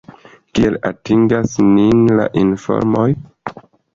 Kiel atingas nin la informoj?